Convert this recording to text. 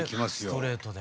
ストレートで。